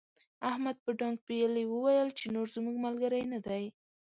احمد په ډانګ پېيلې وويل چې نور زموږ ملګری نه دی.